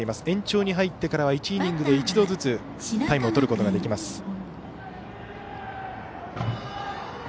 延長に入ってからは１イニングで１回ずつタイムをとることができます。